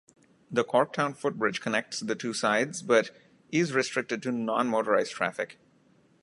The Corktown Footbridge connects the two sides, but is restricted to non-motorized traffic.